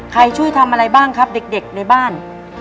ช่วยทำอะไรบ้างครับเด็กในบ้าน